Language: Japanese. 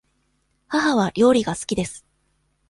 母は料理が好きです。